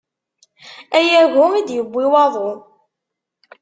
Ay agu i d-yewwi waḍu.